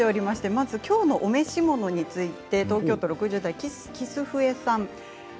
まず今日のお召し物について東京都６０代の方です。